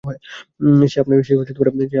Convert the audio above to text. সে আপনার লোকদের হত্যা করেছে।